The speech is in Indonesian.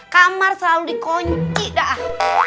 kamar selalu dikunci dah